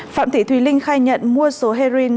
phạm thị thùy linh khai nhận mua số heroin